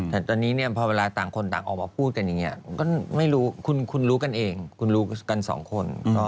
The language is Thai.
แต่ตอนนี้เนี่ยพอเวลาต่างคนต่างออกมาพูดกันอย่างนี้ก็ไม่รู้คุณรู้กันเองคุณรู้กันสองคน